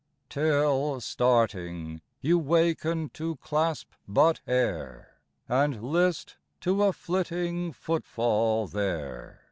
Till, Starting, you waken to clasp but air, And list to a flitting footfall there.